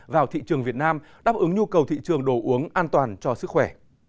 vào thị trường việt nam đáp ứng nhu cầu thị trường đồ uống an toàn cho sức khỏe